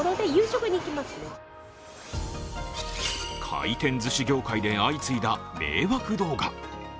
回転ずし業界で相次いだ迷惑動画。